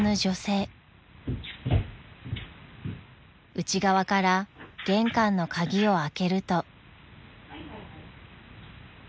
［内側から玄関の鍵を開けると］